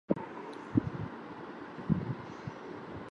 সন্ধ্যা ছয়টার দিকে এ নিয়ে আসলাম হোসেনের সঙ্গে আবদুস সালামের কথাকাটাকাটি হয়।